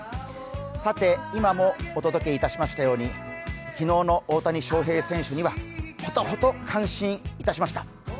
さて、今もお届けいたしましたように昨日の大谷翔平選手にはほとほと感心いたしました。